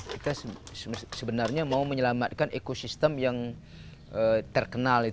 kita sebenarnya mau menyelamatkan ekosistem yang terkenal